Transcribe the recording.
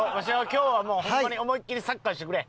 今日はもうホンマに思いっきりサッカーしてくれ。